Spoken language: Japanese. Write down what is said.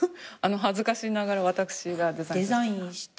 恥ずかしながら私がデザイン。